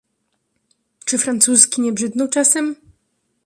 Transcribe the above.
"Czy Francuzki nie brzydną czasem?"